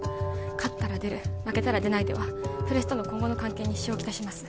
勝ったら出る負けたら出ないではプレスとの今後の関係に支障をきたします